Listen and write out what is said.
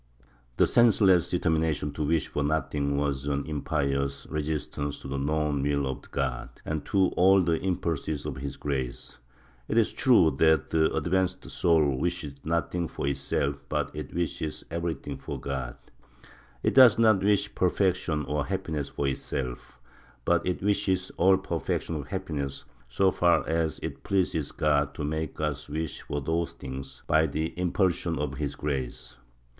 The senseless determination to wish for nothing was an impious resistance to the known will of God, and to all the impulses of his grace; it is true that the advanced soul wishes nothing for itself but it wishes everything for God; it does not wish perfection or happiness for itself, but it wishes all perfection and happiness, so far as it pleases God to make us wish for these things, by the impulsion of his grace.